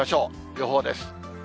予報です。